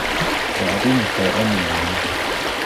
But I didn’t kill anyone.